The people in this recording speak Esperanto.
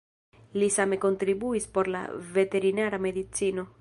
Li same kontribuis por la veterinara medicino.